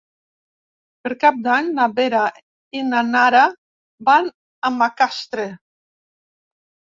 Per Cap d'Any na Vera i na Nara van a Macastre.